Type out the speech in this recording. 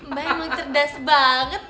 mbak emang cerdas banget